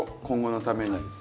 今後のために。